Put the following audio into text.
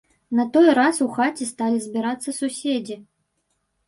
На той раз у хаце сталі збірацца суседзі.